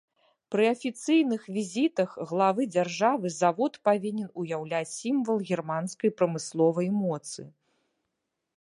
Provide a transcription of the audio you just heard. Пры афіцыйных візітах главы дзяржавы завод павінен уяўляць сімвал германскай прамысловай моцы.